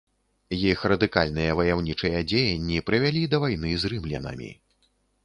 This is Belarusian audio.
Іх радыкальныя ваяўнічыя дзеянні прывялі да вайны з рымлянамі.